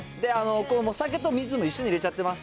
お酒と水、一緒に入れちゃってます。